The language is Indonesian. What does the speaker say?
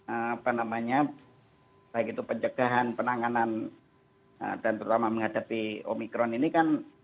apa namanya baik itu pencegahan penanganan dan terutama menghadapi omikron ini kan